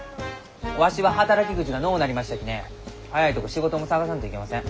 わしは働き口がのうなりましたきね早いとこ仕事も探さんといきません。